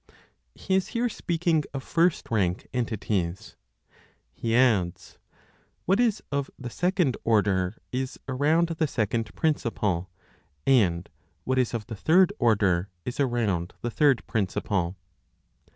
He is here speaking of first rank entities. He adds, "What is of the second order is around the second principle; and what is of the third order is around the third principle."